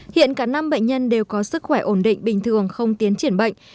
hiện cả năm bệnh nhân đều có sức khỏe ổn định bình thường không tiến triển bệnh